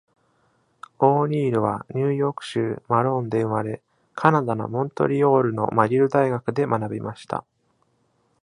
オーニールはニューヨーク州マローンで生まれ、カナダのモントリオールのマギル大学で学びました。